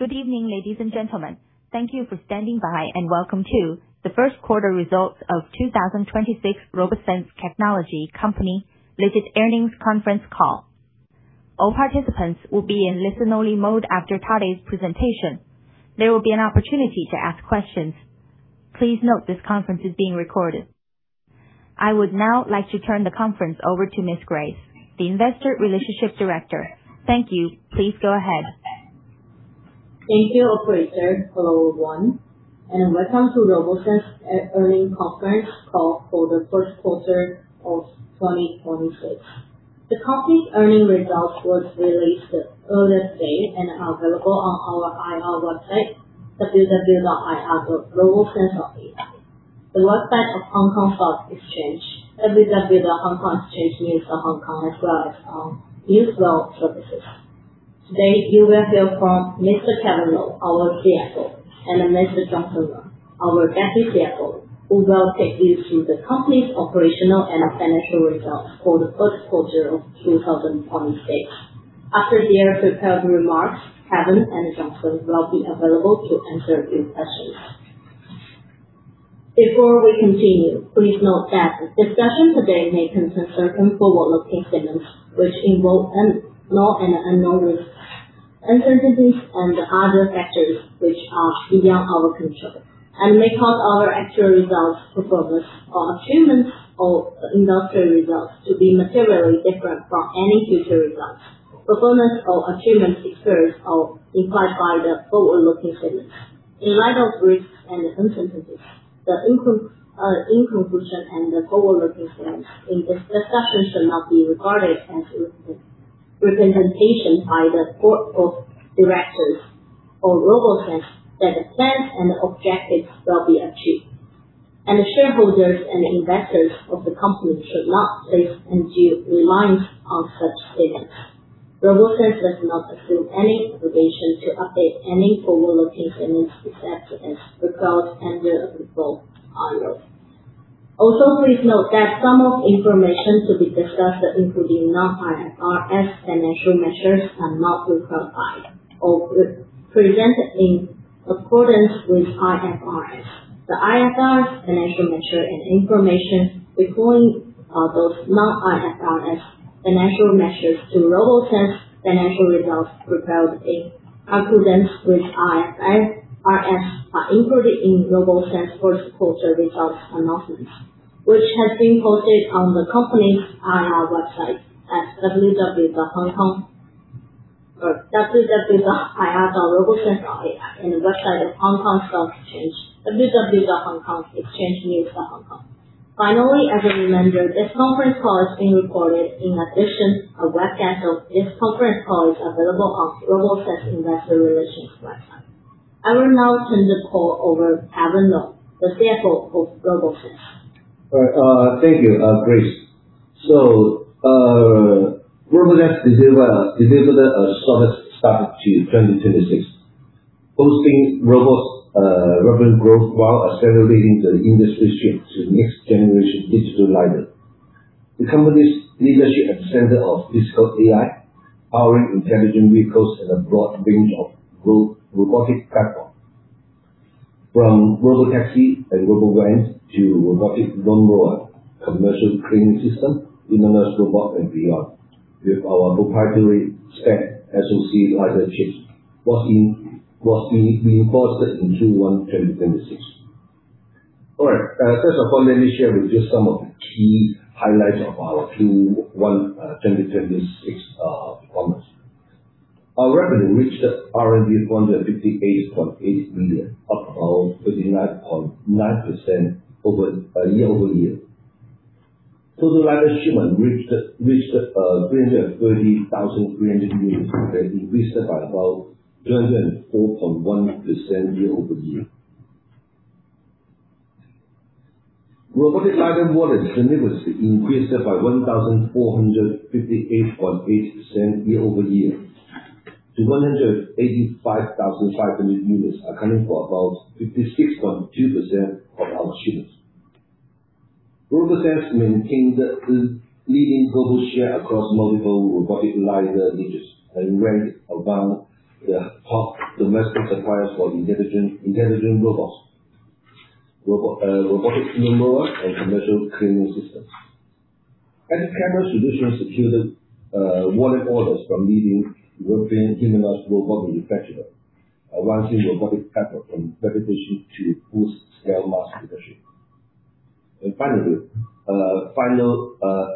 Good evening, ladies and gentlemen. Thank you for standing by, and welcome to the first quarter results of 2026 RoboSense Technology company related earnings conference call. All participants will be in listen-only mode after today's presentation. There will be an opportunity to ask questions. Please note this conference is being recorded. I would now like to turn the conference over to Ms. Grace, the Investor Relationships Director. Thank you. Please go ahead. Thank you, operator. Hello, everyone, and welcome to RoboSense earnings conference call for the first quarter of 2026. The company's earnings results were released earlier today and are available on our IR website, www.ir.robosense.com. The website of Hong Kong Stock Exchange, www.hongkongexchangenews.hk as well as on Newswire Services. Today you will hear from Mr. Kelvin Lau, our CFO, and Mr. Johnson Wan, our Deputy Chief Financial Officer, who will take you through the company's operational and financial results for the first quarter of 2026. After their prepared remarks, Kelvin and Johnson will be available to answer a few questions. Before we continue, please note that the discussion today may contain certain forward-looking statements which involve known and unknown risks, uncertainties, and other factors which are beyond our control and may cause our actual results, performance or achievements or industrial results to be materially different from any future results, performance or achievements expressed or implied by the forward-looking statements. In light of risks and uncertainties, the inclusion and the forward-looking statements in this discussion should not be regarded as a representation by the board of directors or RoboSense that the plans and objectives will be achieved. The shareholders and investors of the company should not place undue reliance on such statements. RoboSense does not assume any obligation to update any forward-looking statements except as required and will involve by law. Please note that some of the information to be discussed, including non-IFRS financial measures, are not reconciled or presented in accordance with IFRS. The IFRS financial measure and information according those non-FRS financial measures to RoboSense financial results prepared in accordance with IFRS are included in RoboSense first quarter results announcement, which has been posted on the company's IR website at www.ir.robosense.com and the website of Hong Kong Stock Exchange, www.hongkongexchangenews.hk. As a reminder, this conference call is being recorded. A webcast of this conference call is available on RoboSense investor relations website. I will now turn the call over Kelvin Lau, the CFO of RoboSense. All right. Thank you, Grace. RoboSense delivered a solid start to 2026, boosting robust revenue growth while accelerating the industry shift to next generation digital LiDAR. The company's leadership at the center of physical AI, powering intelligent vehicles and a broad range of robotic platforms. From robotaxi and robovan to robotic lawnmower, commercial cleaning system, autonomous robot, and beyond, with our proprietary stacked SoC LiDAR chips was reinforced in Q1 2026. All right, first, I'll fundamentally share with you some of the key highlights of our Q1 2026 performance. Our revenue reached RMB 158.8 million, up about 39.9% year-over-year. Total LiDAR shipment reached 333,300 units, increased by about 204.1% year-over-year. Robotic LiDAR volume tremendously increased by 1,458.8% year-over-year to 185,500 units, accounting for about 56.2% of our shipments. RoboSense maintained the leading global share across multiple robotic LiDAR niches and ranked among the top domestic suppliers for intelligent robots, robotic lawnmower and commercial cleaning systems. Camera solutions secured warning orders from leading European autonomous robot manufacturers, advancing robotic efforts from verification to full-scale mass production. Final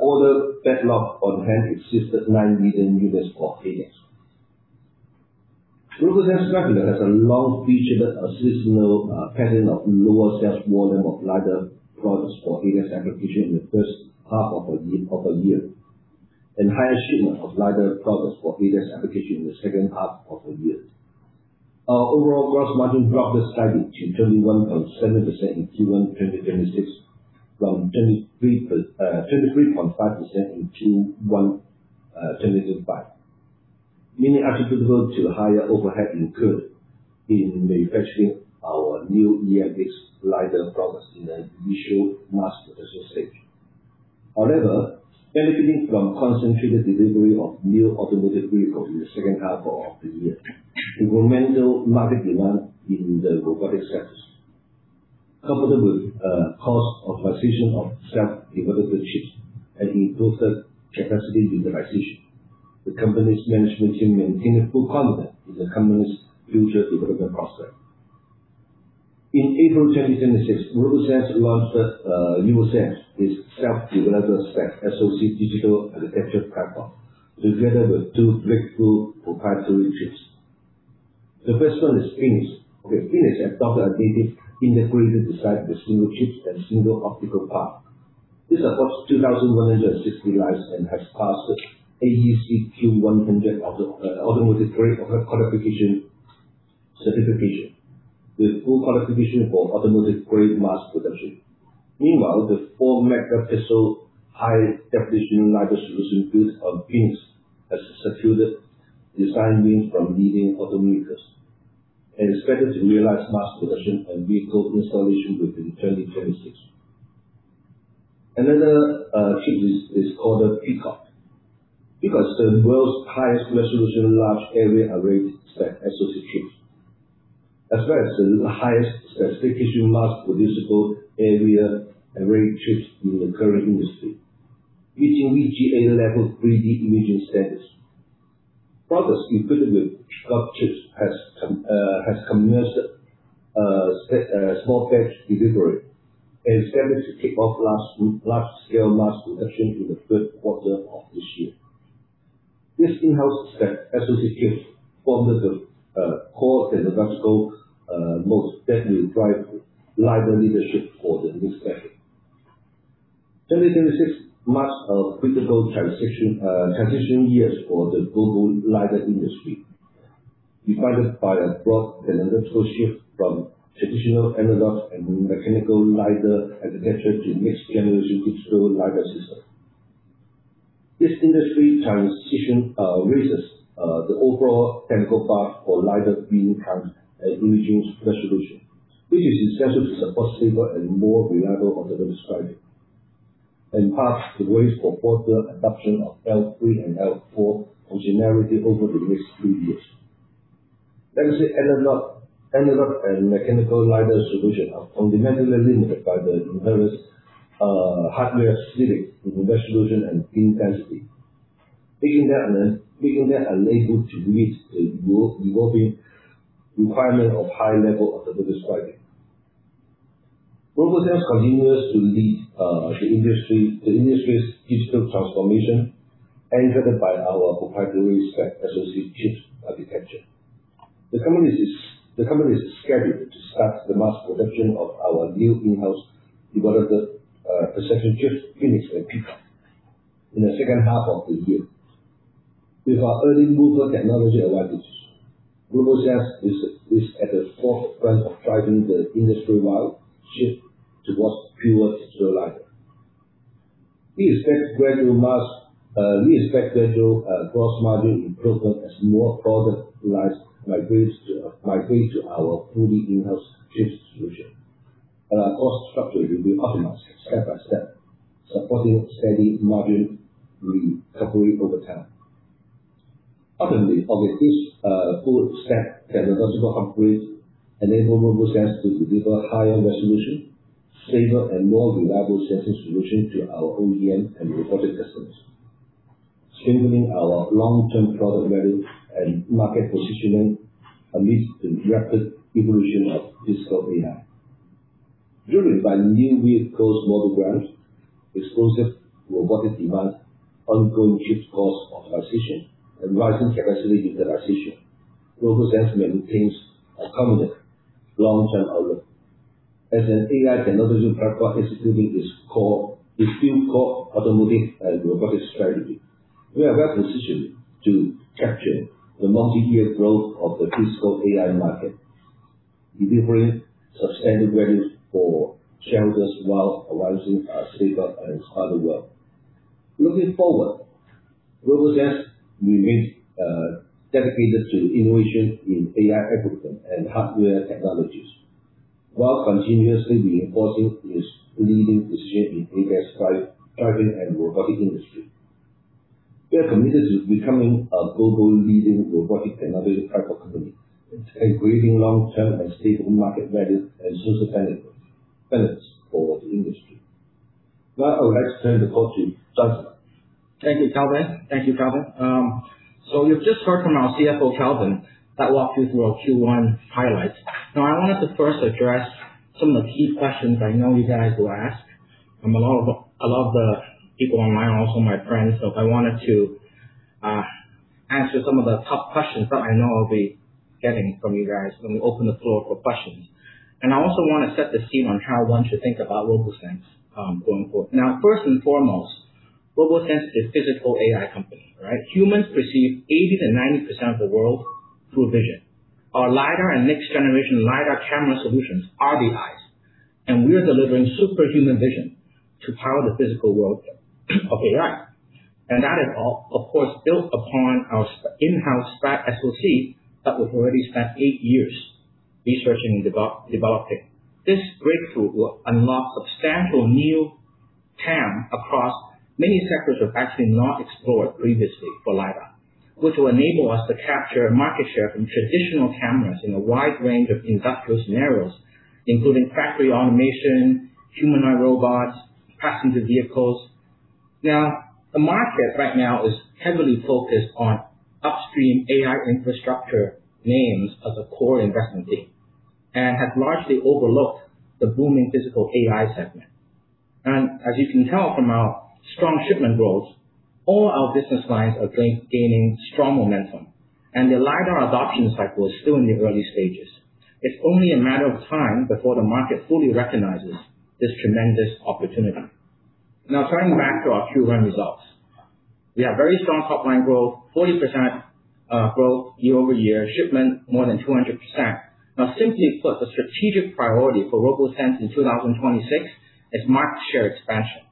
order backlog on hand exceeded 9 million units for ADAS. RoboSense regularly has a long-featured seasonal pattern of lower sales volume of LiDAR products for ADAS application in the first half of a year, and higher shipment of LiDAR products for ADAS application in the second half of a year. Our overall gross margin dropped slightly to 21.7% in Q1 2026 from 23.5% in Q1 2025, mainly attributable to higher overhead incurred in manufacturing our new EMX LiDAR products in the initial mass production stage. However, benefiting from concentrated delivery of new automotive vehicles in the second half of the year, incremental market demand in the robotic sectors, coupled with cost optimization of self-developed chips and improved capacity utilization, the company's management team maintains full confidence in the company's future development prospect. In April 2026, RoboSense launched EOCENE, its self-developed SPAD-SoC digital architecture platform, together with two breakthrough proprietary chips. The first one is Phoenix. Phoenix adopts a native integrated design with single chip and single optical path. This supports 2,160 lines and has passed the AEC-Q100 automotive grade qualification certification with full qualification for automotive-grade mass production. The four-megapixel high-definition LiDAR solution built on Phoenix has secured design wins from leading automakers, and is scheduled to realize mass production and vehicle installation within 2026. Another chip is called Peacock. Peacock is the world's highest resolution large-area array SPAD SoC chip, as well as the highest specification mass-producible area array chip in the current industry, reaching VGA-level 3D imaging standards. Products equipped with Peacock chips has commenced small batch delivery and is scheduled to kick off large-scale mass production in the third quarter of this year. These in-house SPAD SoC chips form the core technological moat that will drive LiDAR leadership for the next decade. 2026 marks a critical transition year for the global LiDAR industry, defined by a broad technological shift from traditional analog and mechanical LiDAR architecture to next-generation digital LiDAR systems. This industry transition raises the overall technical bar for LiDAR beam count and imaging resolution, which is essential to support safer and more reliable autonomous driving, and paves the way for broader adoption of L3 and L4 functionality over the next three years. Legacy analog and mechanical LiDAR solutions are fundamentally limited by the inherent hardware physics in resolution and beam density, making them unable to meet the evolving requirement of high level autonomous driving. RoboSense continues to lead the industry's digital transformation, anchored by our proprietary SPAD SoC chips architecture. The company is scheduled to start the mass production of our new in-house developed perception chips, Phoenix and Peacock, in the second half of the year. With our early mover technology advantage, RoboSense is at the forefront of driving the industry-wide shift towards pure digital LiDAR. We expect gradual gross margin improvement as more product lines migrate to our fully in-house chip solution. Our cost structure will be optimized step by step, supporting steady margin recovery over time. Ultimately, these full-stack technological upgrades enable RoboSense to deliver higher resolution, safer, and more reliable sensing solutions to our OEM and robotic customers, strengthening our long-term product value and market positioning amidst the rapid evolution of physical AI. Driven by near-year cost model grants, explosive robotic demand, ongoing chip cost optimization, and rising capacity utilization, RoboSense maintains a confident long-term outlook. As an AI technology platform executing its field core automotive and robotic strategy, we are well-positioned to capture the multi-year growth of the physical AI market, delivering sustainable value for shareholders while advancing a safer and smarter world. Looking forward, RoboSense remains dedicated to innovation in AI algorithms and hardware technologies, while continuously reinforcing its leading position in ADAS driving and robotic industry. We are committed to becoming a global leading robotic technology platform company, integrating long-term and stable market value and sustainable benefits for the industry. Now, I would like to turn the call to Johnson. Thank you, Kelvin. You've just heard from our CFO, Kelvin, that walked you through our Q1 highlights. I wanted to first address some of the key questions I know you guys will ask, from a lot of the people on my, also my friends. I wanted to answer some of the tough questions that I know I'll be getting from you guys when we open the floor for questions. I also want to set the scene on how one should think about RoboSense going forward. First and foremost, RoboSense is a physical AI company, right? Humans perceive 80%-90% of the world through vision. Our LiDAR and next generation LiDAR camera solutions are the eyes. We are delivering superhuman vision to power the physical world of AI. That is, of course, built upon our in-house SPAD SoC that we've already spent eight years researching and developing. This breakthrough will unlock substantial new TAM across many sectors that were actually not explored previously for LiDAR, which will enable us to capture market share from traditional cameras in a wide range of industrial scenarios, including factory automation, humanoid robots, passenger vehicles. Now, the market right now is heavily focused on upstream AI infrastructure names as a core investment theme, and has largely overlooked the booming physical AI segment. As you can tell from our strong shipment growth, all our business lines are gaining strong momentum, and the LiDAR adoption cycle is still in the early stages. It's only a matter of time before the market fully recognizes this tremendous opportunity. Turning back to our Q1 results. We have very strong top-line growth, 40% growth year-over-year, shipment more than 200%. Simply put, the strategic priority for RoboSense in 2026 is market share expansion.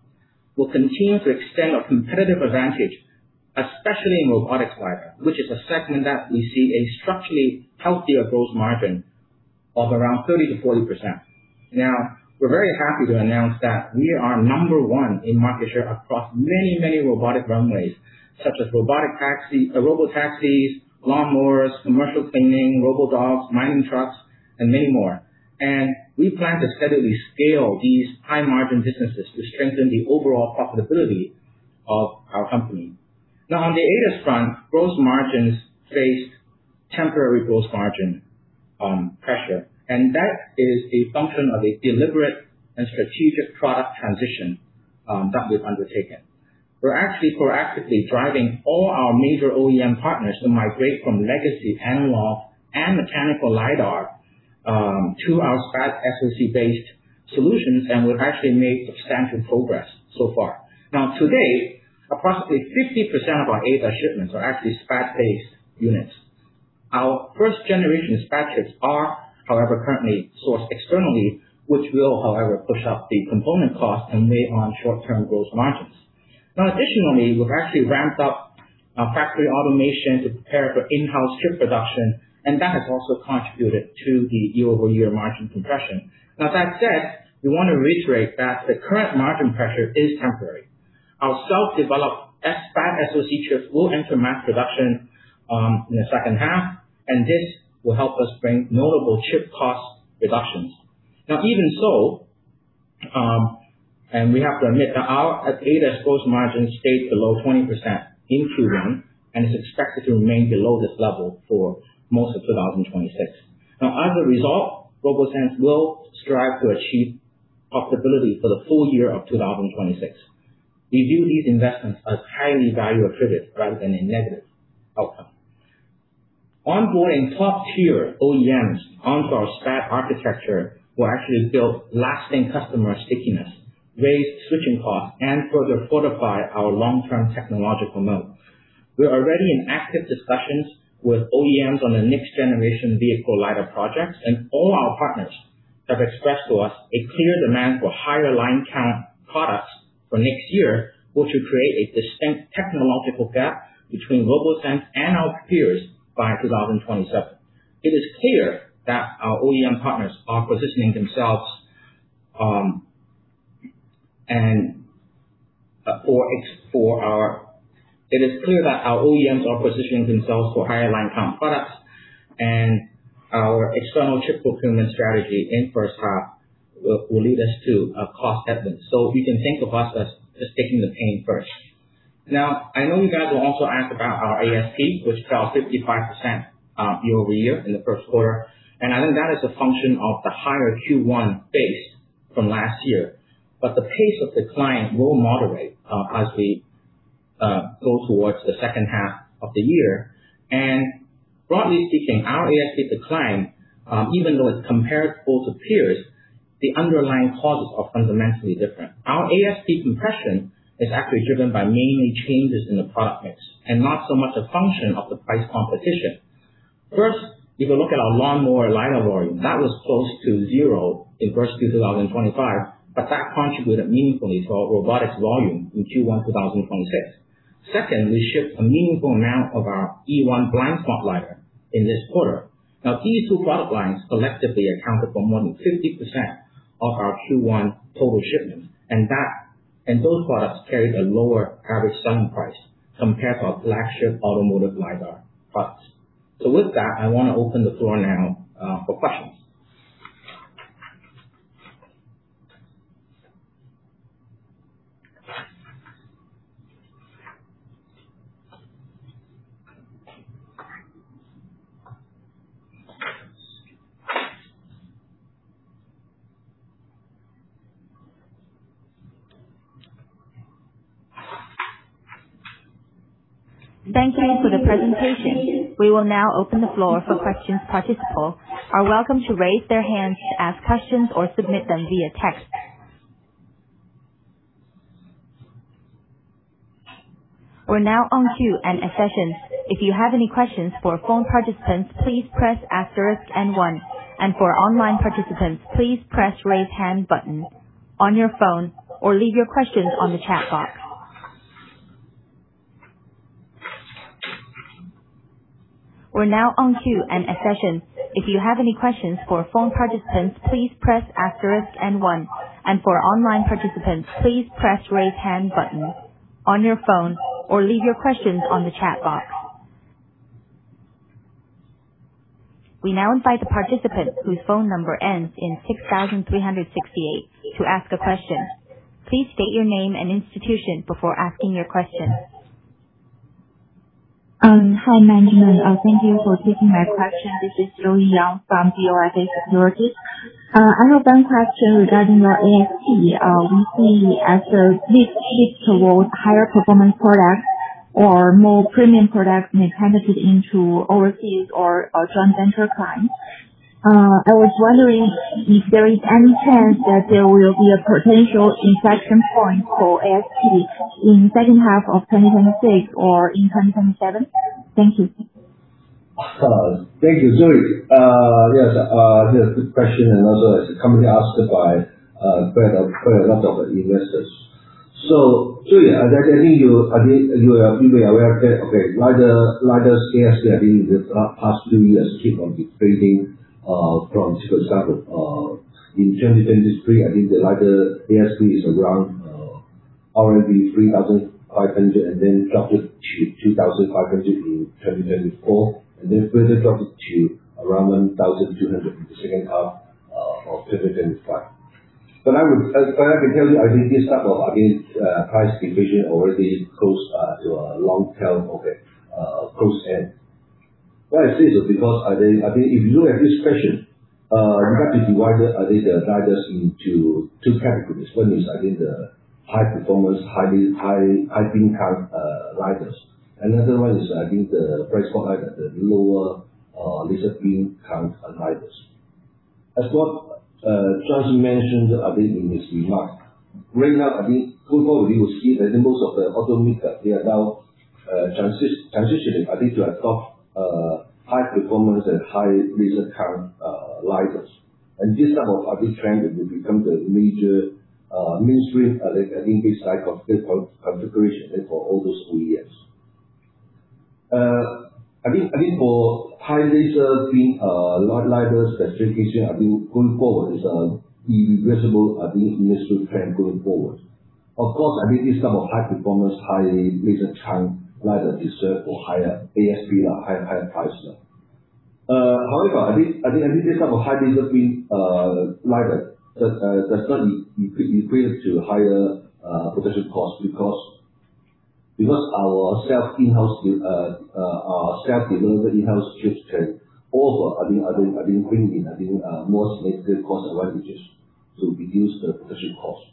We'll continue to extend our competitive advantage, especially in robotics LiDAR, which is a segment that we see a structurally healthier gross margin of around 30%-40%. We're very happy to announce that we are number one in market share across many robotic runways, such as robotaxis, lawnmowers, commercial cleaning, robodogs, mining trucks, and many more. We plan to steadily scale these high-margin businesses to strengthen the overall profitability of our company. On the ADAS front, gross margins faced temporary gross margin pressure, and that is a function of a deliberate and strategic product transition that we've undertaken. We're actually proactively driving all our major OEM partners to migrate from legacy analog and mechanical LiDAR to our SPAD SoC-based solutions, and we've actually made substantial progress so far. Now, today, approximately 50% of our ADAS shipments are actually SPAD-based units. Our first-generation SPAD chips are, however, currently sourced externally, which will, however, push up the component cost and weigh on short-term gross margins. Now, additionally, we've actually ramped up our factory automation to prepare for in-house chip production, and that has also contributed to the year-over-year margin compression. Now, that said, we want to reiterate that the current margin pressure is temporary. Our self-developed SPAD SoC chips will enter mass production in the second half, and this will help us bring notable chip cost reductions. Even so, and we have to admit that our ADAS gross margin stayed below 20% in Q1, and is expected to remain below this level for most of 2026. As a result, RoboSense will strive to achieve profitability for the full year of 2026. We view these investments as highly value-attribute rather than a negative outcome. Onboarding top-tier OEMs onto our SPAD architecture will actually build lasting customer stickiness, raise switching costs, and further fortify our long-term technological moat. We are already in active discussions with OEMs on the next-generation vehicle LiDAR projects, and all our partners have expressed to us a clear demand for higher line count products for next year, which will create a distinct technological gap between RoboSense and our peers by 2027. It is clear that our OEM partners are positioning themselves for higher line count products. Our external chip procurement strategy in first half will lead us to a cost advantage. You can think of us as just taking the pain first. Now, I know you guys will also ask about our ASP, which fell 55% year-over-year in the first quarter. The pace of decline will moderate as we go towards the second half of the year. Broadly speaking, our ASP decline, even though it's comparable to peers, the underlying causes are fundamentally different. Our ASP compression is actually driven by mainly changes in the product mix, and not so much a function of the price competition. If you look at our lawnmower LiDAR volume, that was close to zero in Q1 2025, but that contributed meaningfully to our robotics volume in Q1 2026. Second, we shipped a meaningful amount of our E1 blind spot LiDAR in this quarter. These two product lines collectively accounted for more than 50% of our Q1 total shipments, and those products carry a lower average selling price compared to our flagship automotive LiDAR products. With that, I want to open the floor now for questions. Thank you for the presentation. We will now open the floor for questions. Participants are welcome to raise their hands to ask questions or submit them via text. We're now on queue and in sessions. If you have any questions, for phone participants, please press asterisk and one, and for online participants, please press raise hand button on your phone or leave your questions on the chat box. We now invite the participant whose phone number ends in 6368 to ask a question. Please state your name and institution before asking your question. Hi, management. Thank you for taking my question. This is Joey Young from DORCA Securities. I have one question regarding your ASP. We see as this shift towards higher performance products or more premium products may benefit into overseas or trans-central clients. I was wondering if there is any chance that there will be a potential inflection point for ASP in second half of 2026 or in 2027. Thank you. Thank you, Joey. Yes, good question, and also it's commonly asked by quite a lot of investors. Joey, I think you may be aware that LiDAR ASP, I think in the past two years keep on decreasing from, for example, in 2023, I think the LiDAR ASP is around RMB 3,500, and then dropped to 2,500 in 2024, and then further dropped to around 1,200 in the second half of 2025. I can tell you, I think this type of price deflation already close to a long term, close end. Why I say so because, if you look at this question, you have to divide the LiDARs into two categories. One is the high performance, high beam count LiDARs. Another one is the price point LiDAR, the lower or laser beam count LiDARs. As what Johnson mentioned, I think in his remark, right now, I think going forward we will see that in most of the automakers, they are now transitioning to adopt high performance and high laser count LiDARs. This type of trend will become the major mainstream, I think, this type of configuration for all those OEMs. I think for high laser beam LiDAR specification, I think going forward is an irreversible industrial trend going forward. Of course, I think this type of high performance, high laser count LiDAR deserve for higher ASP, higher price. However, I think this type of high laser beam LiDAR does not equate to higher production cost because our self-developed in-house chips can also, I think, bring in more significant cost advantages to reduce the production cost.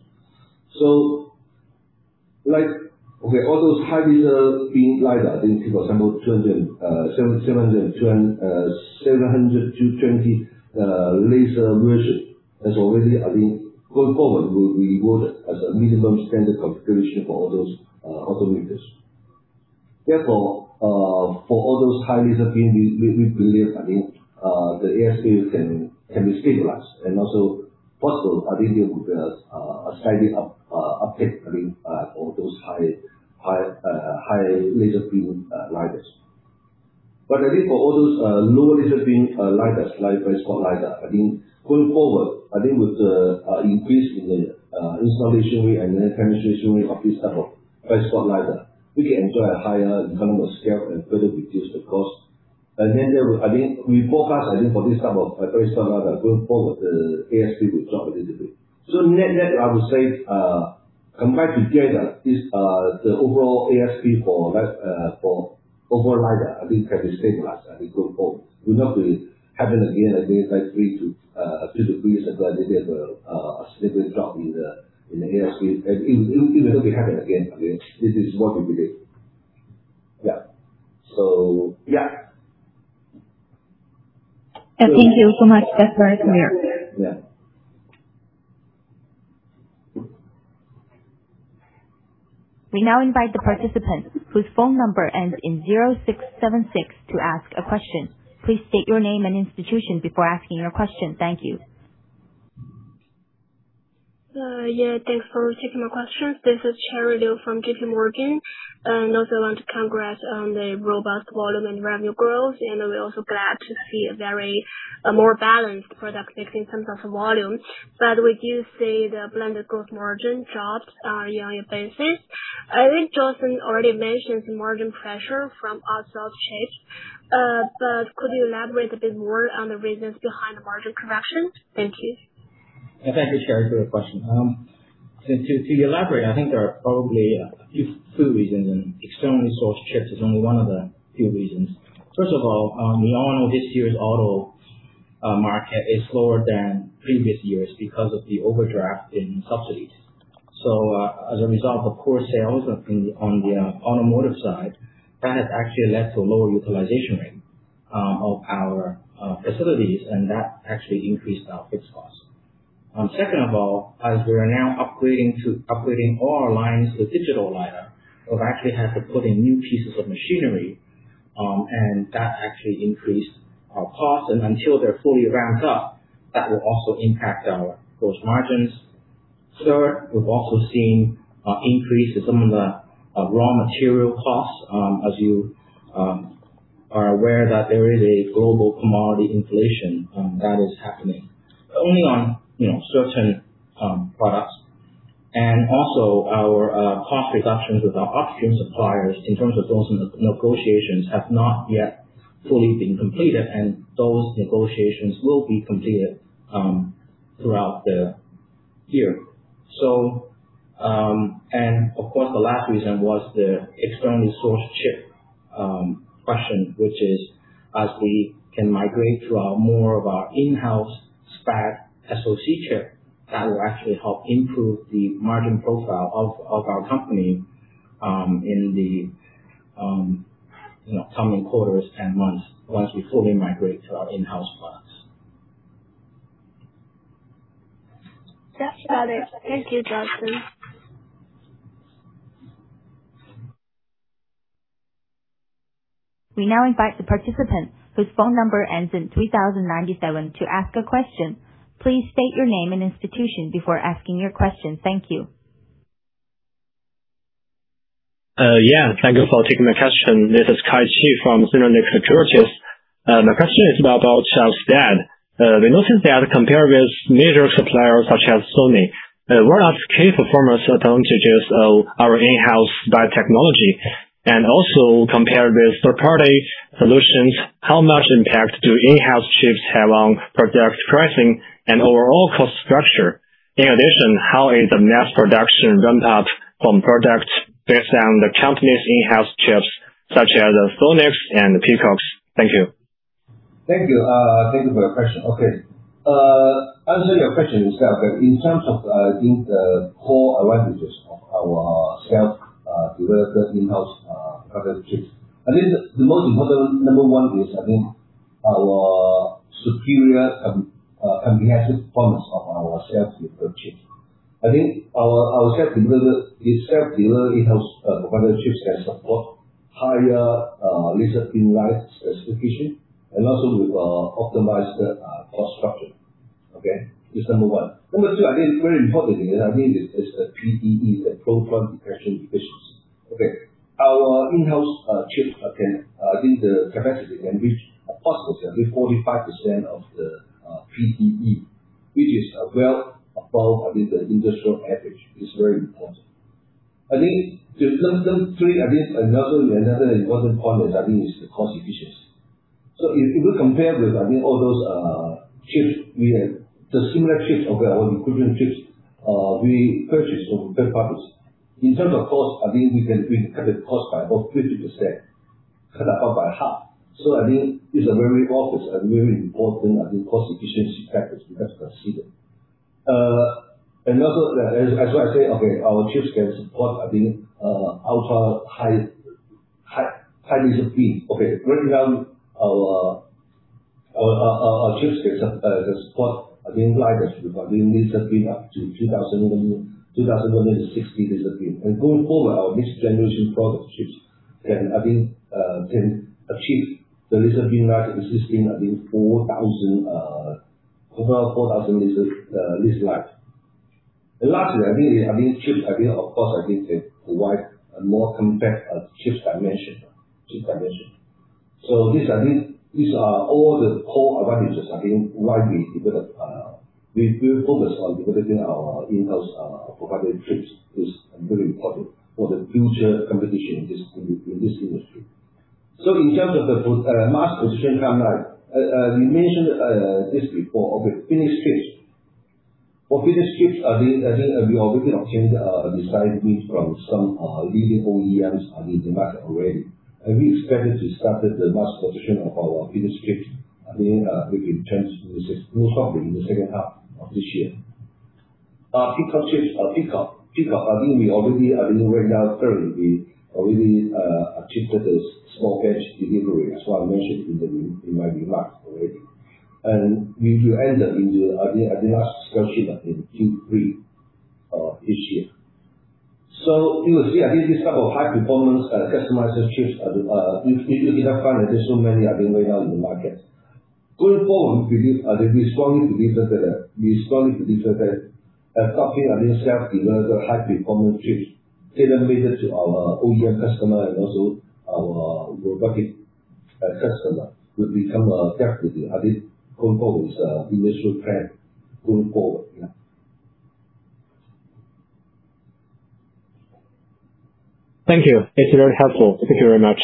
All those high laser beam LiDAR, I think, for example, 720 laser version is already going forward will be regarded as a minimum standard configuration for all those automakers. Therefore, for all those high laser beam, we believe, the ASP can be stabilized and also possible, I think there will be a slightly uptick for those high laser beam LiDARs. I think for all those lower laser beam LiDARs, like blind spot LiDAR, going forward, with the increase in the installation rate and the penetration rate of this type of blind spot LiDAR, we can enjoy a higher economy of scale and further reduce the cost. Then we forecast, I think for this type of blind spot LiDAR, going forward the ASP will drop a little bit. Net-net, I would say combined together, the overall ASP for overall LiDAR, I think can be stabilized going forward. Will not happen again, like two to three years ago, I think there was a significant drop in the ASP. It will not happen again. This is what we believe. Yeah. Thank you so much. That is very clear. We now invite the participant whose phone number ends in 0676 to ask a question. Please state your name and institution before asking your question. Thank you. Yeah, thanks for taking my questions. This is Sherry Liu from JPMorgan. Also want to congrats on the robust volume and revenue growth. We're also glad to see a more balanced product mix in terms of volume. We do see the blended growth margin dropped on a year-on-year basis. I think Johnson already mentioned margin pressure from out-sourced chips. Could you elaborate a bit more on the reasons behind the margin correction? Thank you. Thank you, Sherry, for your question. To elaborate, I think there are probably a few reasons, and externally sourced chips is only one of the few reasons. First of all, we all know this year's auto market is lower than previous years because of the overdraft in subsidies. As a result of poor sales on the automotive side, that has actually led to lower utilization rate of our facilities, and that actually increased our fixed cost. Second of all, as we are now upgrading all our lines to digital LiDAR, we've actually had to put in new pieces of machinery, and that actually increased our cost. Until they're fully ramped up, that will also impact our gross margins. Third, we've also seen an increase in some of the raw material costs. As you are aware that there is a global commodity inflation that is happening only on certain products. Also our cost reductions with our upstream suppliers in terms of those negotiations have not yet fully been completed, and those negotiations will be completed throughout the year. Of course, the last reason was the externally sourced chip question, which is as we can migrate to more of our in-house SPAD SoC chip, that will actually help improve the margin profile of our company in the coming quarters and months once we fully migrate to our in-house SPADs. That's about it. Thank you, Johnson. We now invite the participant whose phone number ends in 3097 to ask a question. Please state your name and institution before asking your question. Thank you. Yeah, thank you for taking my question. This is Kai Chi from Zenimo Securities. My question is about self SPAD. We noticed that compared with major suppliers such as Sony, what are key performance advantages of our in-house biotechnology? Also compared with third-party solutions, how much impact do in-house chips have on product pricing and overall cost structure? In addition, how is the mass production ramp-up from products based on the company's in-house chips such as the Phoenix and Peacock? Thank you. Thank you. Thank you for your question. To answer your question, in terms of, I think the core advantages of our self-developed in-house product chips. I think the most important, number one is, I think our superior comprehensive performance of our self-developed chips. I think our self-developed in-house product chips can support higher laser beam line specification, and also with optimized cost structure. That's number one. Number two, I think very importantly, and I mean this is the PDE, the photon detection efficiency. Our in-house chips, I think the capacity can reach approximately 45% of the PDE. Which is well above, I think, the industrial average. It's very important. I think the third, another important point is, I think it's the cost efficiency. If we compare with all those similar chips or the equivalent chips we purchase from third parties. In terms of cost, we can cut the cost by about 50%, cut the cost by half. I think it's a very obvious and very important cost efficiency factor to best consider. Also, as I say, our chips can support ultra-high laser beam. Right now our chips can support as we've got laser beam up to 2,060 laser beam. Going forward, our next generation product chips can achieve the laser beam line existing around 4,000 laser beam line. Lastly, these chips provide a more compact chip dimension. These are all the core advantages why we focus on developing our in-house provided chips. It's very important for the future competition in this industry. In terms of the mass production timeline, we mentioned this before of the Phoenix chips. For Phoenix chips, we already obtained design wins from some leading OEMs in the market already, and we expected to start the mass production of our Phoenix chips, I think maybe in terms of most probably in the second half of this year. Our Peacock chips. Peacock, I think we already right now currently we already achieved a small batch delivery, as I mentioned in my remarks already. We will end the mass production in Q3 of this year. You will see, I think this type of high-performance customized chips, you will find there's so many right now in the market. Going forward, we strongly believe that as a company, I think self-developed high-performance chips tailor-made to our OEM customer and also our robotic customer, will become a certainty. I think going forward it's an initial trend going forward, yeah. Thank you. It is very helpful. Thank you very much.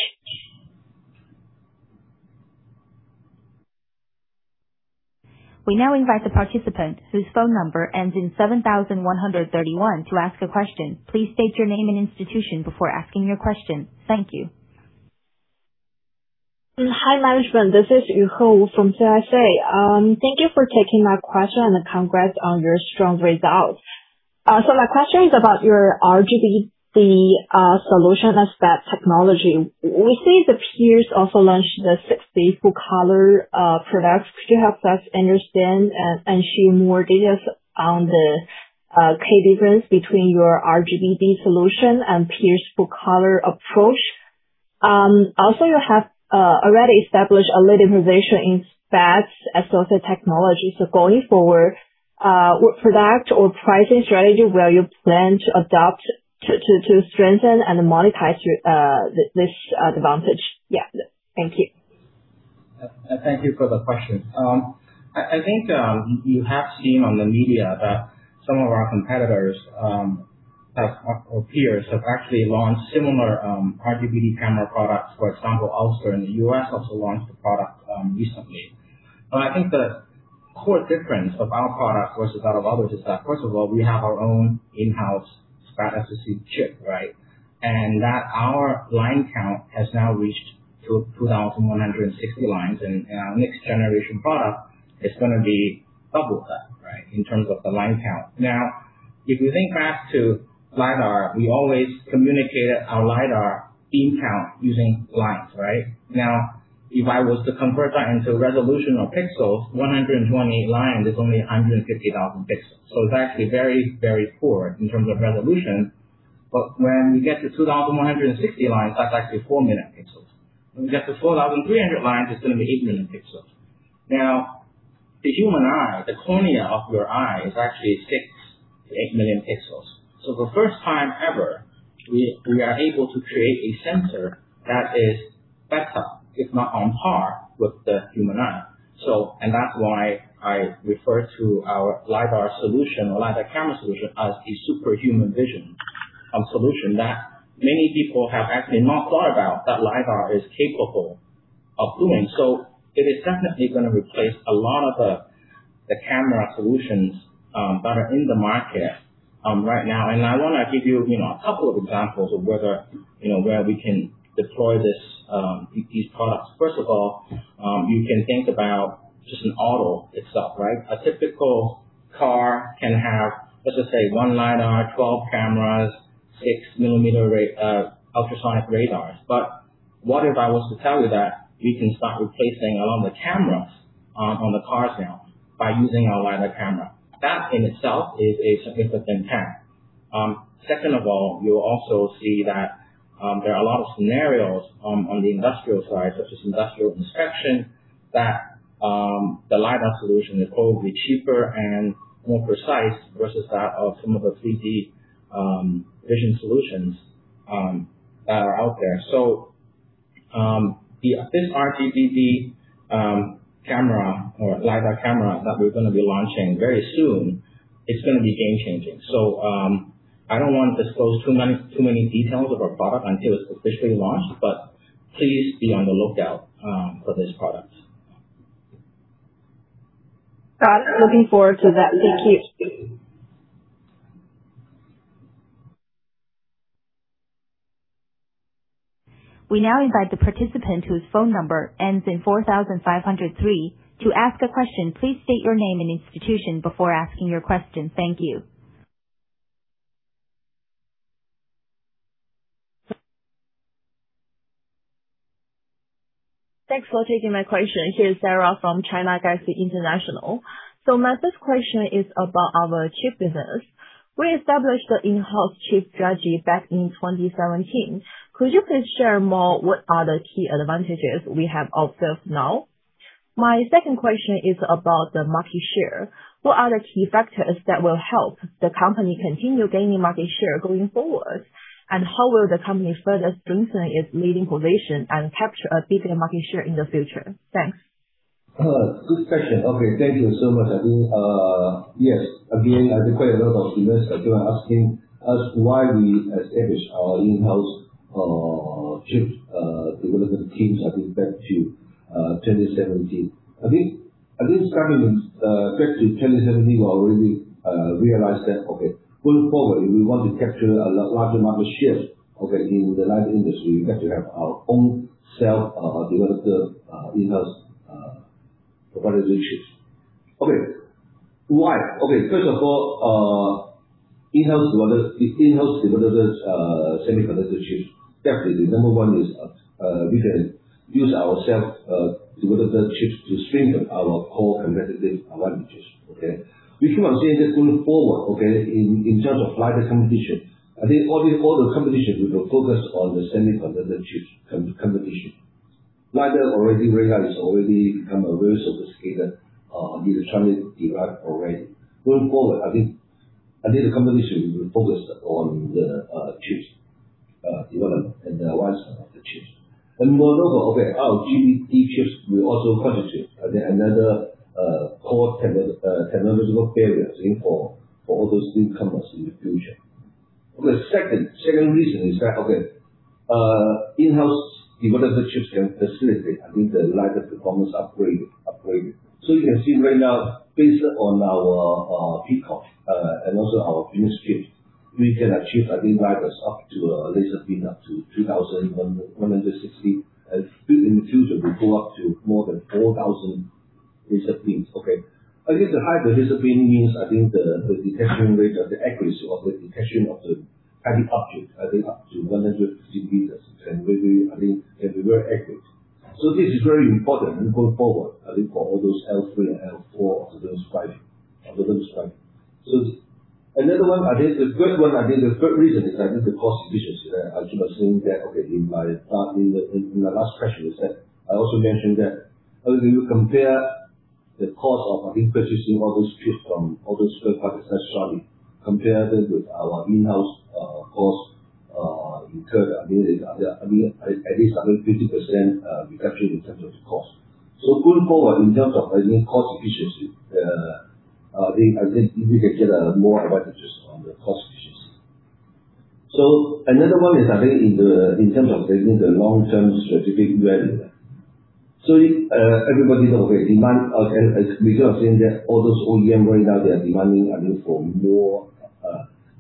We now invite the participant whose phone number ends in 7131 to ask a question. Please state your name and institution before asking your question. Thank you. Hi, management. This is Yu Ho from CSA. Thank you for taking my question and congrats on your strong results. My question is about your RGB-D solution, SPAD technology. We see the peers also launched the 3D full-color products. Could you help us understand and share more details on the key difference between your RGB-D solution and peers' full-color approach? Also, you have already established a leading position in SPADs associated technology. Going forward, what product or pricing strategy will you plan to adopt to strengthen and monetize this advantage? Yeah. Thank you. Thank you for the question. I think you have seen on the media that some of our competitors or peers have actually launched similar RGBD camera products. For example, Ouster in the U.S. also launched the product recently. I think the core difference of our product versus that of others is that, first of all, we have our own in-house SPAD SoC chip, right? That our line count has now reached 2,160 lines, and our next generation product is going to be double that, right, in terms of the line count. If you think back to LiDAR, we always communicated our LiDAR beam count using lines, right? If I was to convert that into resolution or pixels, 120 lines is only 150,000 pixels. It's actually very poor in terms of resolution. When we get to 2,160 lines, that's actually 4 million pixels. When we get to 4,300 lines, it's going to be 8 million pixels. The human eye, the cornea of your eye is actually 6 million-8 million pixels. For the first time ever, we are able to create a sensor that is better, if not on par, with the human eye. That's why I refer to our LiDAR solution or LiDAR camera solution as a superhuman vision solution that many people have actually not thought about what LiDAR is capable of doing. It is definitely going to replace a lot of the camera solutions that are in the market right now. I want to give you a couple of examples of where we can deploy these products. First of all, you can think about just an auto itself, right? A typical car can have, let's just say, one LiDAR, 12 cameras, 6 mm ultrasonic radars. What if I was to tell you that we can start replacing a lot of the cameras on the cars now by using our LiDAR camera. That in itself is a significant impact. Second of all, you'll also see that there are a lot of scenarios on the industrial side, such as industrial inspection, that the LiDAR solution is probably cheaper and more precise versus that of some of the 3D vision solutions that are out there. This RGB-D camera or LiDAR camera that we're going to be launching very soon, it's going to be game-changing. I don't want to disclose too many details of our product until it's officially launched, but please be on the lookout for this product. Got it. Looking forward to that. Thank you. We now invite the participant whose phone number ends in 4,503 to ask a question. Please state your name and institution before asking your question. Thank you. Thanks for taking my question. Here is Sarah from China Galaxy International. My first question is about our chip business. We established the in-house chip strategy back in 2017. Could you please share more what are the key advantages we have observed now? My second question is about the market share. What are the key factors that will help the company continue gaining market share going forward? How will the company further strengthen its leading position and capture a bigger market share in the future? Thanks. Good question. Okay. Thank you so much. Yes, again, I think quite a lot of investors are asking us why we established our in-house chip development teams, I think back to 2017. Starting back to 2017, we already realized that, okay, going forward, we want to capture a larger market share in the LiDAR industry. We have to have our own self-developed in-house provider relationships. Okay. Why? Okay. First of all, in-house developers, semiconductor chips, definitely the number one is we can use our self-developed chips to strengthen our core competitive advantages. Okay. We can see this going forward, okay, in terms of LiDAR competition. All the competition will focus on the semiconductor chips competition. LiDAR radar has already become a very sophisticated electronic device. Going forward, the competition will focus on the chips development and the advancement of the chips. Moreover, our SPAD chips will also constitute another core technological barrier for all those newcomers in the future. The second reason is that in-house development chips can facilitate the LiDAR performance upgrade. You can see right now, based on our Peacock, and also our Phoenix chip, we can achieve LiDARs up to a laser beam up to 3,160. In the future, we go up to more than 4,000 laser beams. The high laser beam means the detection rate or the accuracy of the detection of the target object up to 100 meters can be very accurate. This is very important going forward for all those L3 and L4 autonomous driving. Another one, the third reason is the cost efficiency that I should assume that, okay, in my last question you said, I also mentioned that if you compare the cost of, I think, purchasing all those chips from all those suppliers, et cetera, you compare that with our in-house cost incurred, at least 50% reduction in terms of the cost. Going forward in terms of cost efficiency, I think we can get more advantages on the cost efficiency. Another one is in terms of the long-term strategic value. Everybody know, okay, demand, because all those OEM right now they are demanding for more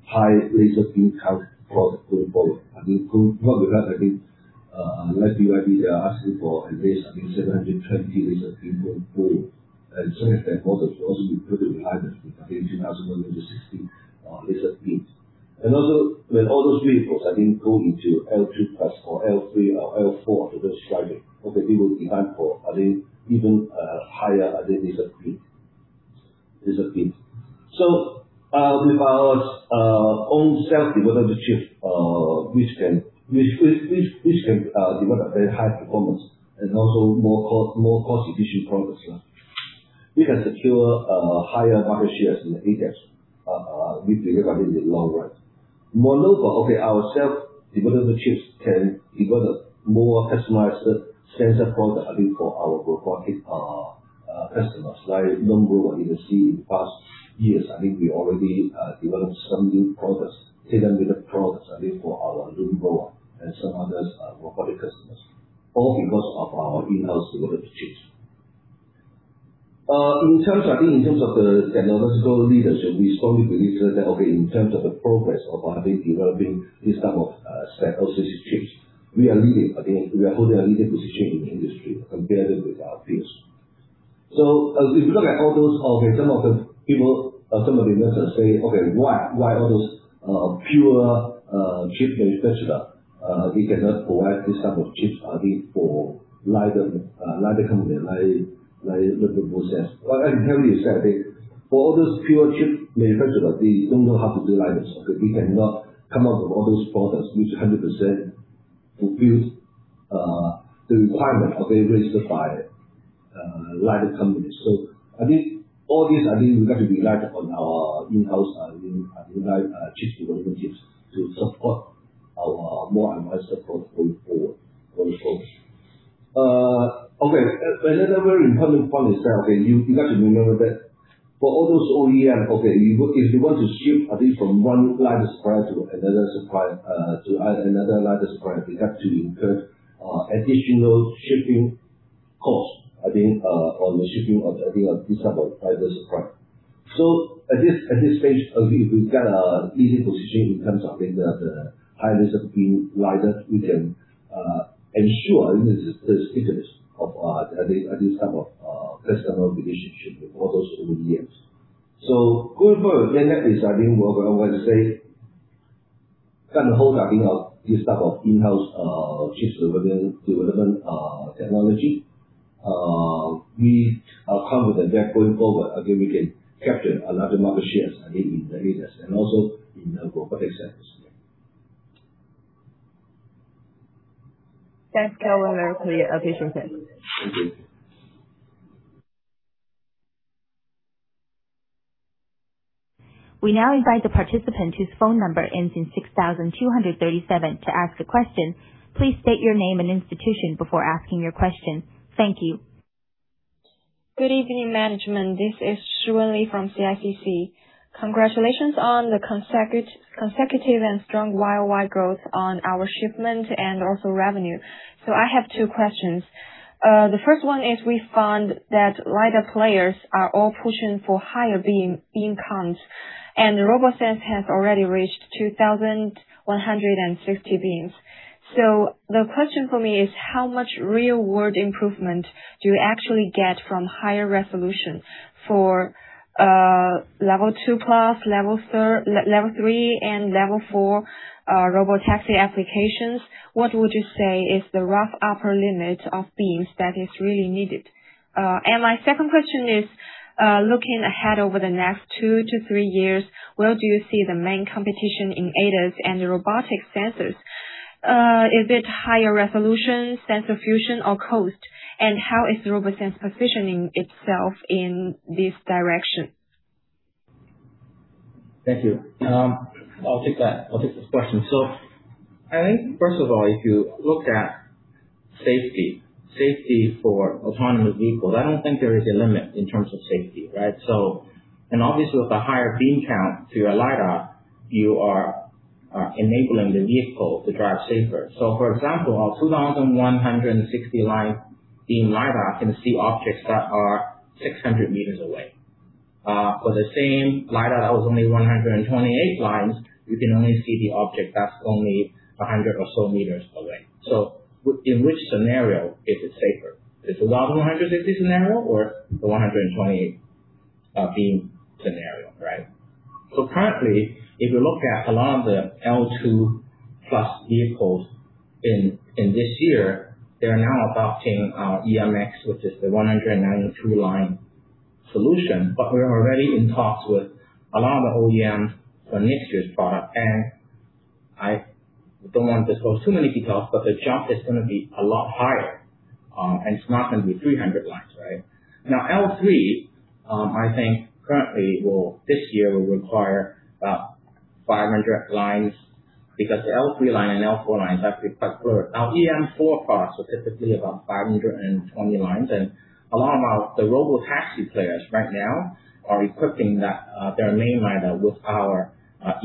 high laser beam count product going forward. Not because, like BYD, they are asking for at least 720 laser beam going forward. Some of their models will also be put to LiDAR with 2,160 laser beams. When all those vehicles go into L3+ or L3 or L4 autonomous driving, they will demand for even higher LiDAR. With our own self-development chip, which can develop very high-performance and also more cost-efficient products. We can secure higher market shares in the ADAS with regard to the long run. More local, our self development chips can develop more customized sensor products for our robotic customers like LUBA robot. You will see in the past years, I think we already developed some new products, tailor-made products, for our LUBA Robot and some other robotic customers, all because of our in-house development chips. In terms of the technological leadership, we strongly believe that in terms of the progress of developing this type of solid-state chips, we are holding a leading position in the industry compared with our peers. If you look at all those, some of the investors say, "Okay, why all those pure chip manufacturers, they cannot provide this type of chips for LiDAR companies like RoboSense?" I can tell you this, I think, for all those pure chip manufacturers, they don't know how to do LiDARs. They cannot come out with all those products which 100% fulfill the requirement of a register by LiDAR companies. I think all this, we got to rely on our in-house chip development to support our more advanced products going forward. Another very important point is that, you got to remember that for all those OEM, if you want to shift from one LiDAR supplier to another LiDAR supplier, they have to incur additional shipping cost on the shipping of this type of LiDAR supplier. At this stage, if we've got a leading position in terms of the high laser beam LiDAR, we can ensure the stickiness of this type of customer relationship with all those OEMs. Going forward, again, that is I think we are going to say, got to hold this type of in-house chip development technology. We are confident that going forward, again, we can capture another market shares in the ADAS and also in the robotic sensors. Thanks Kelvin. Very clear update from you. Thank you. We now invite the participant whose phone number ends in 6237 to ask a question. Please state your name and institution before asking your question. Thank you. Good evening, management. This is Xu Li from CICC. Congratulations on the consecutive and strong YOY growth on our shipment and also revenue. I have two questions. The first one is, we found that LiDAR players are all pushing for higher beam counts. RoboSense has already reached 2,160 beams. The question for me is, how much real-world improvement do you actually get from higher resolution for L2+, level three, and level four robotaxi applications? What would you say is the rough upper limit of beams that is really needed? My second question is, looking ahead over the next two to three years, where do you see the main competition in ADAS and robotic sensors? Is it higher resolution, sensor fusion, or cost? How is RoboSense positioning itself in this direction? Thank you. I'll take this question. I think first of all, if you look at safety for autonomous vehicles, I don't think there is a limit in terms of safety, right? Obviously with a higher beam count to your LiDAR, you are enabling the vehicle to drive safer. For example, a 2,160 line beam LiDAR can see objects that are 600 meters away. For the same LiDAR that was only 128 lines, you can only see the object that's only 100 or so meters away. In which scenario is it safer? Is it the 1,160 scenario or the 128 beam scenario, right? Currently, if you look at a lot of the L2+ vehicles. In this year, they are now adopting EMX, which is the 192 line solution. We are already in talks with a lot of the OEMs for next year's product. I don't want to disclose too many details, but the jump is going to be a lot higher, and it's not going to be 300 lines. L3, I think currently will, this year, will require about 500 lines because the L3 line and L4 lines have to be quite blurred. EM4 products are typically about 520 lines, and a lot of the robotaxi players right now are equipping their main LiDAR with our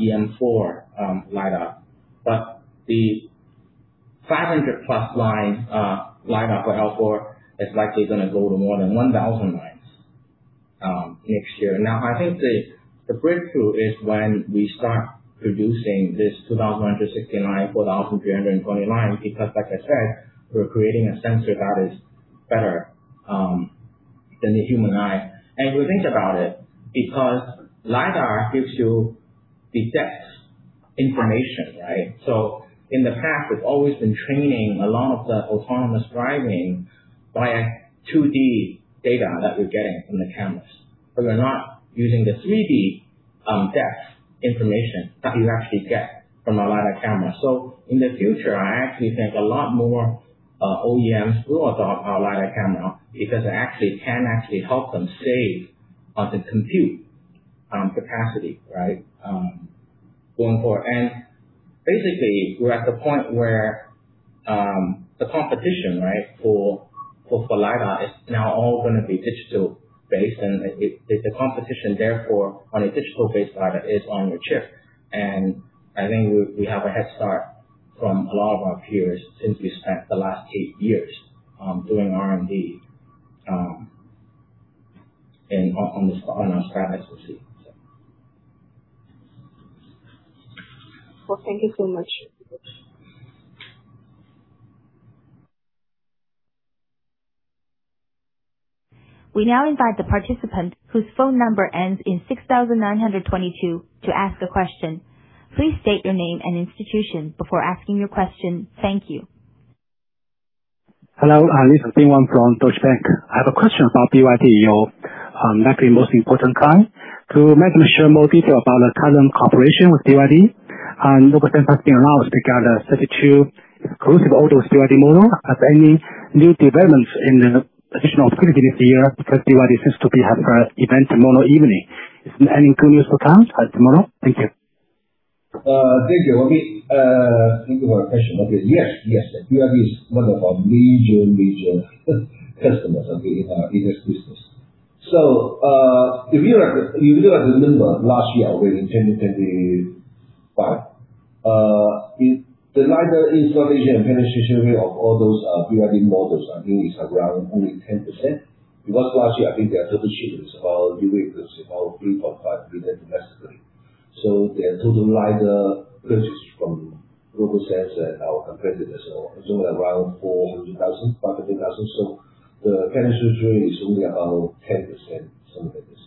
EM4 lineup. The 500-plus line lineup for L4 is likely going to go to more than 1,000 lines next year. I think the breakthrough is when we start producing this 2,169, 4,329, because, like I said, we're creating a sensor that is better than the human eye. If we think about it, because LiDAR gives you the depth information. In the past, we've always been training a lot of the autonomous driving by 2D data that we're getting from the cameras. We're not using the 3D depth information that you actually get from a LiDAR camera. In the future, I actually think a lot more OEMs will adopt our LiDAR camera because it actually can help them save on the compute capacity going forward. Basically, we're at the point where the competition for LiDAR is now all going to be digital-based, and if the competition, therefore, on a digital-based LiDAR is on the chip. I think we have a head start from a lot of our peers since we spent the last eight years doing R&D on this autonomous drive SoC. Well, thank you so much. We now invite the participant whose phone number ends in 6922 to ask a question. Please state your name and institution before asking your question. Thank you. Hello, this is Ben Wang from Deutsche Bank. I have a question about BYD, your likely most important client. To maybe share more detail about the current cooperation with BYD. RoboSense has been announced to get a 32 exclusive auto BYD model. Have any new developments in the additional security this year, because BYD seems to be have event tomorrow evening. Is there any good news for clients tomorrow? Thank you. Thank you. Thank you for your question. Yes. BYD is one of our major customers in this business. If you are to remember last year, in 2025, the LiDAR installation and penetration rate of all those BYD models, I think, is around only 10%, because last year, I think their total shipments about new vehicles, about 3.5 million domestically. Their total LiDAR purchase from RoboSense and our competitors is only around 400,000, 500,000. The penetration rate is only about 10%, something like this.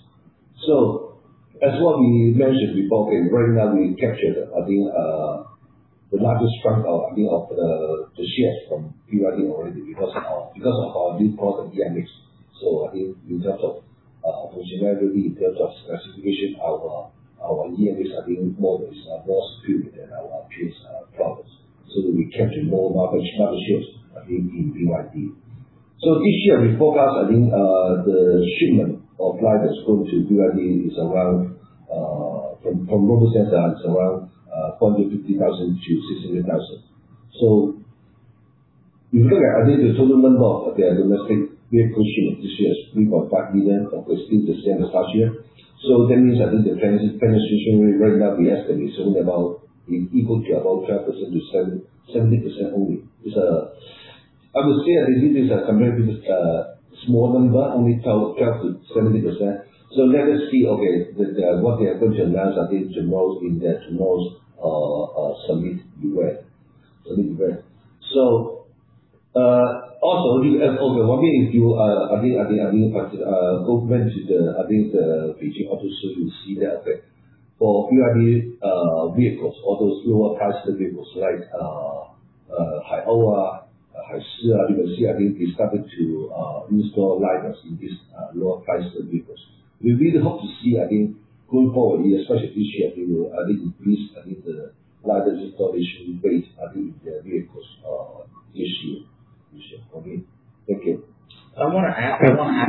As Wan mentioned before, right now we captured, I think the largest front of the shares from BYD already because of our new product, EMX. I think in terms of functionality, in terms of specification, our EMX, I think, model is more secured than our previous products. We captured more market shares, I think, in BYD. This year, we forecast, I think the shipment of LiDARs going to BYD is around, from RoboSense, around 450,000 to 600,000. If you look at, I think the total number of their domestic vehicle shipment this year is 3.5 million, almost still the same as last year. That means, I think the penetration rate right now, we estimate is only about equal to about 12%-17% only. I would say, I think this is a comparatively small number, only 12%-17%. Let us see, okay, what they are going to announce, I think, tomorrow in their summit event. I think if you, I think, go back to the Beijing Auto Show, you see that for BYD vehicles, all those lower-priced vehicles like BYD Haiou, Panda Knight, you can see, I think, they started to install LiDARs in these lower-priced vehicles. We really hope to see, I think, going forward, especially this year, I think increase the LiDAR installation rate, I think the vehicles this year. Okay. Thank you. I want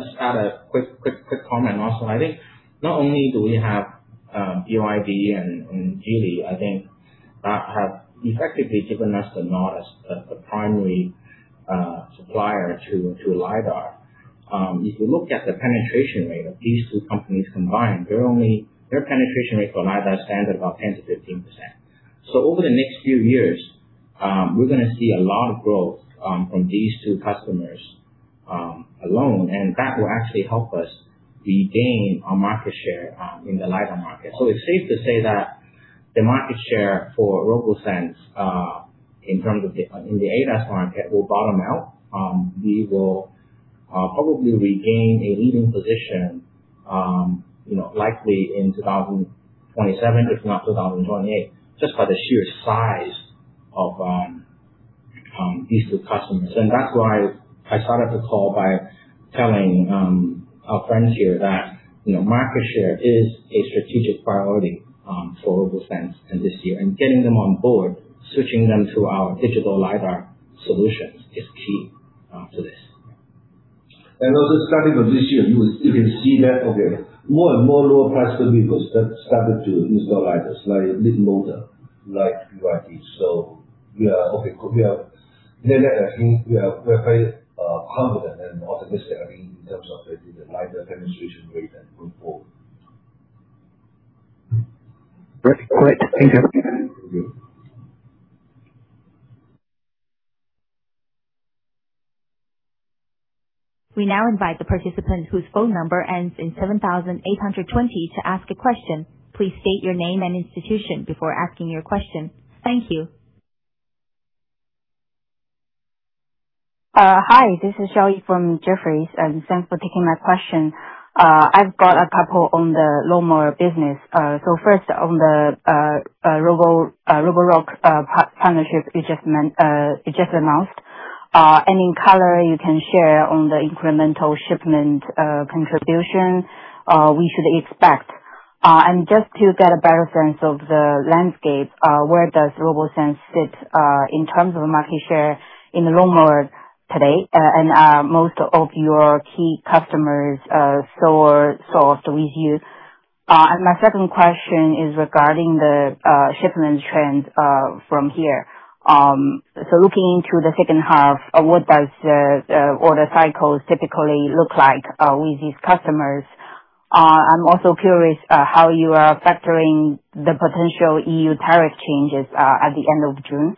to just add a quick comment also. I think not only do we have BYD and Geely, that have effectively given us the nod as the primary supplier to LiDAR. If you look at the penetration rate of these two companies combined, their penetration rate for LiDAR stands at about 10%-15%. Over the next few years, we're going to see a lot of growth from these two customers alone, and that will actually help us regain our market share in the LiDAR market. It's safe to say that the market share for RoboSense in terms of in the ADAS market will bottom out. We will probably regain a leading position, likely in 2027, if not 2028, just by the sheer size of these new customers. That's why I started the call by telling our friends here that market share is a strategic priority for RoboSense in this year. Getting them on board, switching them to our digital LiDAR solutions is key to this. Starting of this year, you can see that, okay, more and more lower price point vehicles started to install LiDARs like WeRide. We are net-net, I think we are very confident and optimistic, I mean, in terms of the LiDAR penetration rate and going forward. Great. Thank you. We now invite the participant whose phone number ends in 7820 to ask a question. Please state your name and institution before asking your question. Thank you. Hi, this is Shelly from Jefferies. Thanks for taking my question. I've got a couple on the lawnmower business. First on the Roborock partnership you just announced. Any color you can share on the incremental shipment contribution we should expect? Just to get a better sense of the landscape, where does RoboSense sit in terms of market share in the lawnmower today, and most of your key customers sourced with you? My second question is regarding the shipment trends from here. Looking into the second half, what does the order cycles typically look like with these customers? I'm also curious how you are factoring the potential EU tariff changes at the end of June,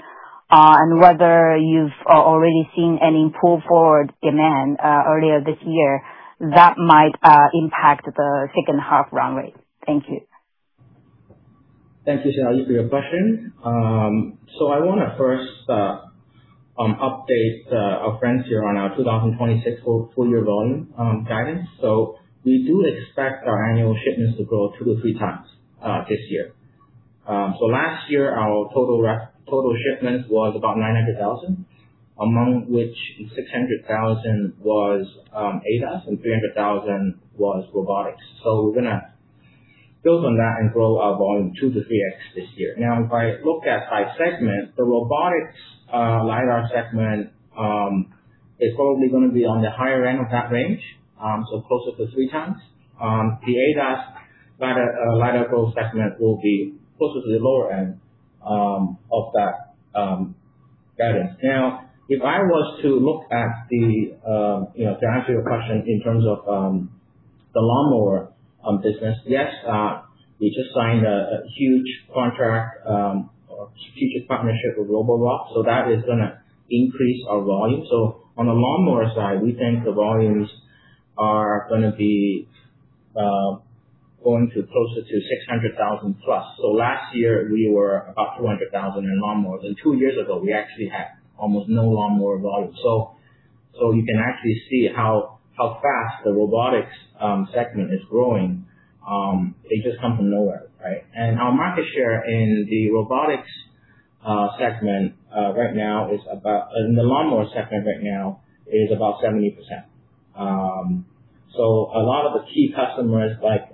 and whether you've already seen any pull-forward demand earlier this year that might impact the second half run rate. Thank you. Thank you, Shelly, for your question. I want to first update our friends here on our 2026 full year volume guidance. We do expect our annual shipments to grow two to three times this year. Last year, our total shipments was about 900,000, among which 600,000 was ADAS and 300,000 was robotics. We're going to build on that and grow our volume two to three times this year. Now, if I look at by segment, the robotics LiDAR segment is probably going to be on the higher end of that range, so closer to three times. The ADAS LiDAR growth segment will be closer to the lower end of that guidance. Now, if I was to look at to answer your question in terms of the lawnmower business. Yes, we just signed a huge contract, a strategic partnership with Roborock, so that is going to increase our volume. On the lawnmower side, we think the volumes are going to be closer to 600,000 plus. Last year, we were about 200,000 in lawnmowers, and two years ago, we actually had almost no lawnmower volume. You can actually see how fast the robotics segment is growing. It just come from nowhere, right? Our market share in the lawnmower segment right now is about 70%. A lot of the key customers like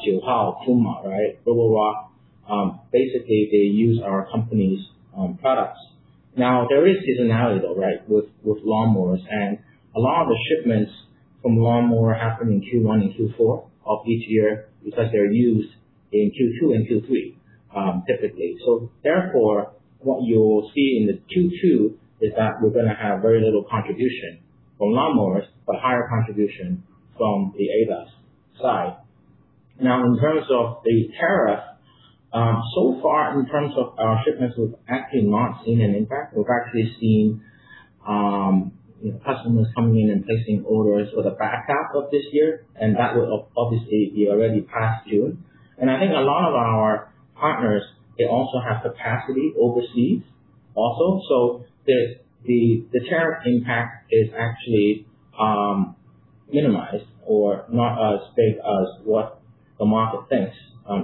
Qihoo 360, Puma, Roborock, basically, they use our company's products. Now, there is seasonality, though, right? With lawnmowers, and a lot of the shipments from lawnmower happen in Q1 and Q4 of each year because they're used in Q2 and Q3, typically. Therefore, what you will see in the Q2 is that we're going to have very little contribution from lawnmowers, but higher contribution from the ADAS side. In terms of the tariff, so far in terms of our shipments, we've actually not seen an impact. We've actually seen customers coming in and placing orders for the back half of this year, and that would obviously be already past June. I think a lot of our partners, they also have capacity overseas also. The tariff impact is actually minimized or not as big as what the market thinks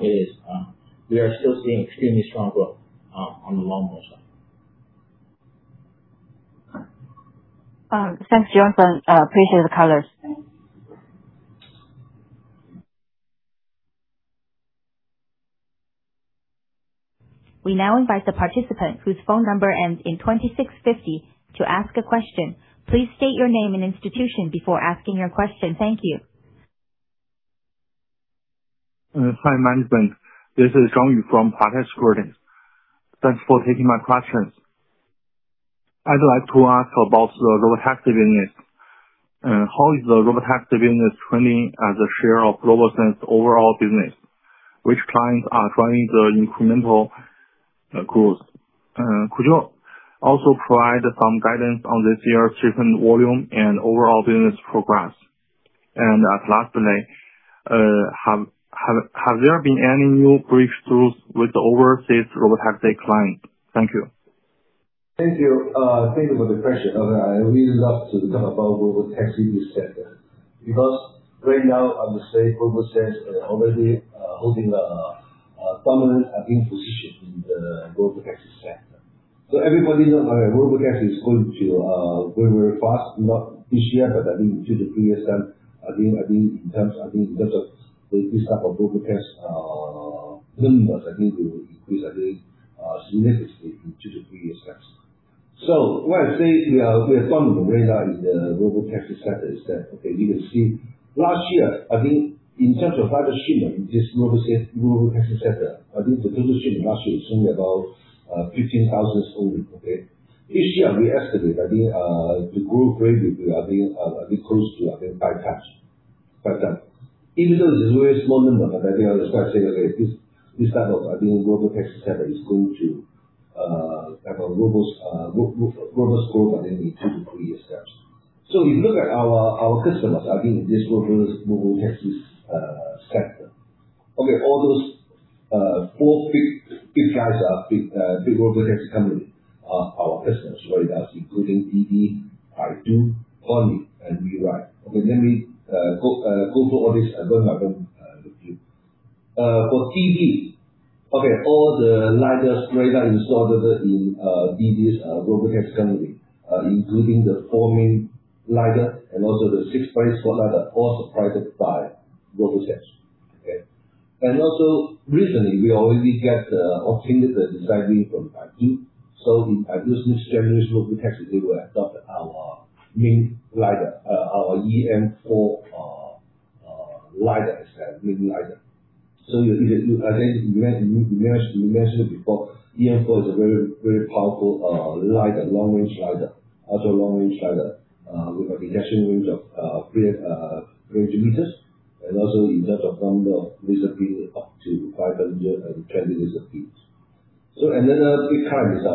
it is. We are still seeing extremely strong growth on the lawnmower side. Thanks, Johnson. Appreciate the colors. We now invite the participant whose phone number ends in 2650 to ask a question. Please state your name and institution before asking your question. Thank you. Hi, management. This is Zhang Yu from Potters Recording. Thanks for taking my questions. I'd like to ask about the robotic business. How is the robotic business trending as a share of RoboSense overall business? Which clients are driving the incremental growth? Could you also provide some guidance on this year's shipment volume and overall business progress? Lastly, have there been any new breakthroughs with the overseas robotic client? Thank you. Thank you. Thank you for the question. I really love to talk about robotaxi sector, because right now, I would say RoboSense is already holding a dominant position in the robotaxi sector. Everybody knows robotaxi is going to grow very fast, not this year, but I think in two to three years time. In terms of the robotaxi numbers, they will increase significantly in two to three years time. Why I say we are dominant right now in the robotaxi sector is that, you can see last year, in terms of market share in this robotaxi sector, the total share in the market is only about 15,000 only. This year, we estimate, the growth rate will be close to five times. Even though this is a very small number, I think that's why I say that this type of robotaxi sector is going to have a robust growth in the two to three years time. If you look at our customers in this robotaxi sector. All those four, five big guys, big robotaxi companies are our customers right now, including DiDi, Baidu, Pony.ai, and WeRide. Let me go through all these one by one with you. For DiDi, all the LiDARs right now installed in DiDi's robotaxi company, including the forward-facing LiDAR and also the solid-state blind spot LiDARs, all supplied by RoboSense. Okay. Recently, we already get the opportunity to design win from Baidu. In Baidu's next generation robotaxi, they will adopt our main LiDAR, our EM4 LiDAR as their main LiDAR. I think we mentioned it before, EM4 is a very powerful LiDAR, long-range LiDAR, also long-range LiDAR with a detection range of 300 meters and also in terms of number of laser beam up to 520 laser beams. Another big client is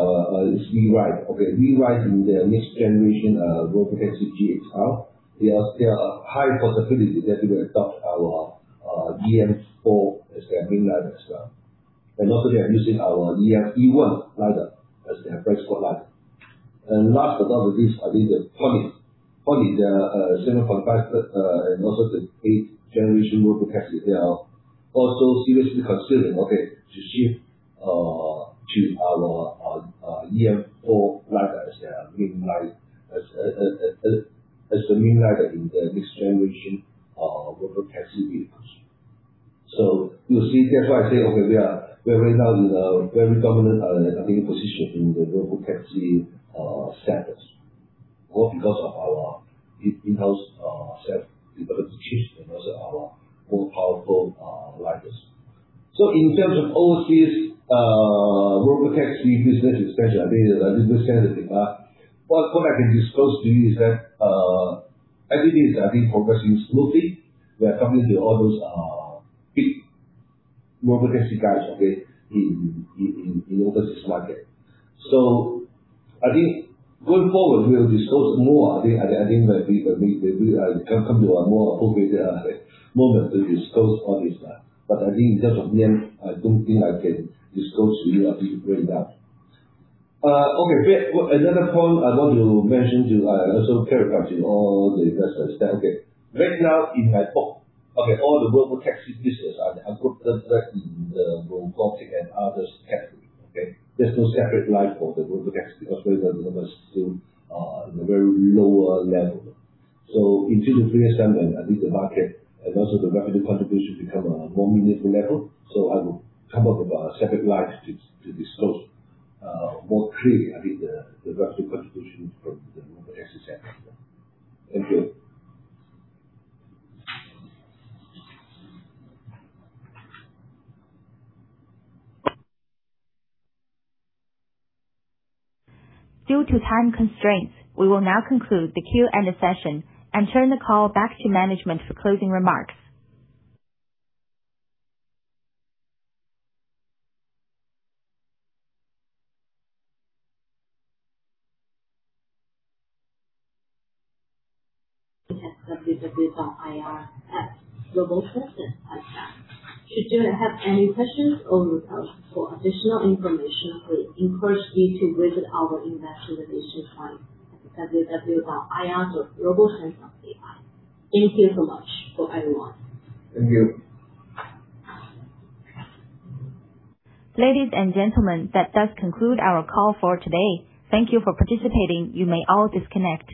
WeRide. WeRide in their next generation robotaxi GXR, there are high possibilities that they will adopt our EM4 as their main LiDAR as well. They are using our E1 LiDAR as their base for LiDAR. Last but not least, I think Pony.ai. Pony.ai, their seventh and also the eighth generation robotaxi, they are also seriously considering to shift to our EM4 LiDAR as their main LiDAR in the next generation of robotaxi vehicles. You see, that's why I say, we are right now in a very dominant position in the robotaxi status. Because of our in-house self-development chips and also our more powerful LiDARs. In terms of overseas robotaxi business expansion, I think that is a sensitive thing, what I can disclose to you is that everything is, I think, progressing smoothly. We are talking to all those big robotaxi guys in overseas market. I think going forward, we'll disclose more. I think when we come to a more appropriate moment to disclose all this. I think in terms of EM, I don't think I can disclose to you right now. Another point I want to mention to you, I also clarify to all the investors that right now in my book, all the robotaxi business, I put them right in the robotics and others category. Okay? There's no separate line for the robotaxi because right now the number is still in a very low level. In two to three years time, when I think the market and also the revenue contribution become a more meaningful level, I will come up with a separate line to disclose more clearly I think the revenue contribution from the robotaxi sector. Thank you. Due to time constraints, we will now conclude the Q&A session and turn the call back to management for closing remarks. at www.ir.robosense.ai. Should you have any questions or request for additional information, we encourage you to visit our investor relations site at www.ir.robosense.ai. Thank you so much for everyone. Thank you. Ladies and gentlemen, that does conclude our call for today. Thank you for participating. You may all disconnect.